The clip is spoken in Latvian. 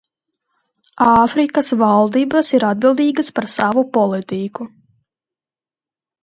Āfrikas valdības ir atbildīgas par savu politiku.